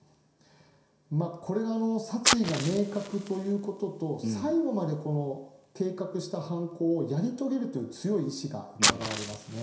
これが殺意が明確ということと最後まで計画した犯行をやり遂げるという強い意思がうかがわれますね。